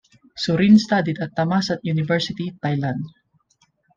Surin studied at Thammasat University, Thailand.